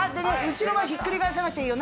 後ろはひっくり返さなくていいよ